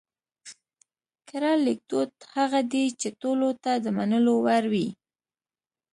کره ليکدود هغه دی چې ټولو ته د منلو وړ وي